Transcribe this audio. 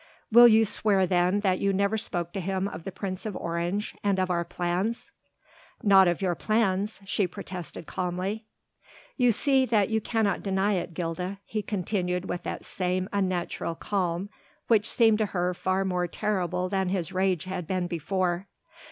"Will you swear then that you never spoke to him of the Prince of Orange, and of our plans?" "Not of your plans ..." she protested calmly. "You see that you cannot deny it, Gilda," he continued with that same unnatural calm which seemed to her far more horrible than his rage had been before.